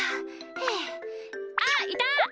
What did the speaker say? ふあっいた！